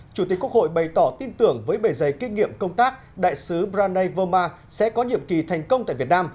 chủ tịch quốc hội bày tỏ tin tưởng với bề giấy kinh nghiệm công tác đại sứ pranay verma sẽ có nhiệm kỳ thành công tại việt nam